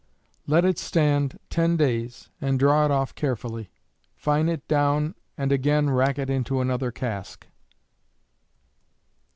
Let it stand 10 days, and draw it off carefully; fine it down and again rack it into another cask.